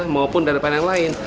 maupun daripada yang lain